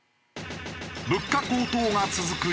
物価高騰が続く